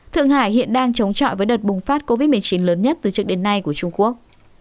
thượng hải hiện đang chống chọi với đợt bùng phát covid một mươi chín lớn nhất từ trước đến nay của trung quốc